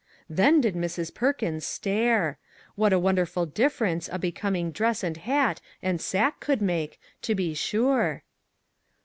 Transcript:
Then did Mrs. Perkins stare ! What a won derful difference a becoming dress and hat and sack could make, to be sure!